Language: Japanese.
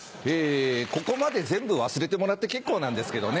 ここまで全部忘れてもらって結構なんですけどね。